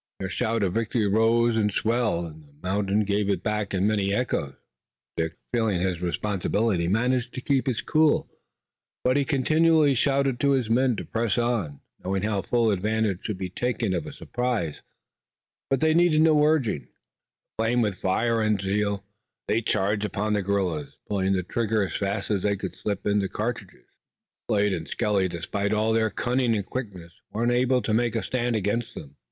Their shout of victory rose and swelled, and the mountain gave it back in many echoes. Dick, feeling his responsibility, managed to keep cool, but he continually shouted to his men to press on, knowing how full advantage should be taken of a surprise. But they needed no urging. Aflame with fire and zeal they charged upon the guerrillas, pulling the trigger as fast as they could slip in the cartridges, and Slade and Skelly, despite all their cunning and quickness, were unable to make a stand against them.